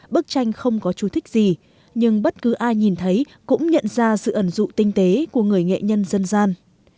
bức tranh không có chú thích gì nhưng bất cứ ai nhìn thấy cũng nhận ra sự ẩn dụ tinh tế của người nghệ nhân dân gian